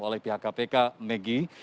oleh pihak kpk maggie